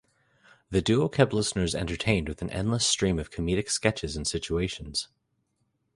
The duo kept listeners entertained with an endless stream of comedic sketches and situations.